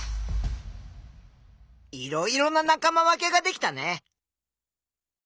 いろいろな仲間分けができたね。